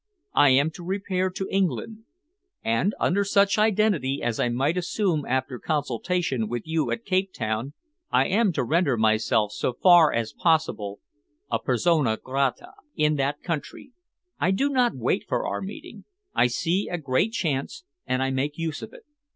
I am to repair to England, and, under such identity as I might assume after consultation with you at Cape Town, I am to render myself so far as possible a persona grata in that country. I do not wait for our meeting. I see a great chance and I make use of it.